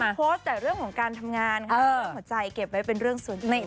โพสต์แต่เรื่องของการทำงานค่ะเรื่องหัวใจเก็บไว้เป็นเรื่องส่วนตัว